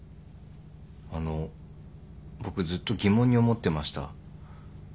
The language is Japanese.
あの僕ずっと疑問に思ってました。